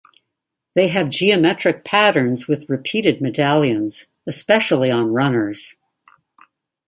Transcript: They have geometric patterns with repeated medallions, especially on runners.